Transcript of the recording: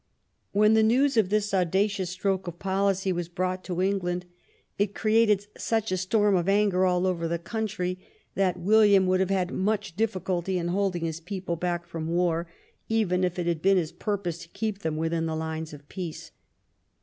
When the news of this auda cious stroke of policy was brought to England, it cre ated such a storm of anger all over the country that William would have had much difficulty in holding his people back from war, even if it had been his purpose to keep them within the lines of peace.